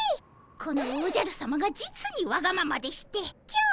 このおじゃるさまが実にわがままでして今日も。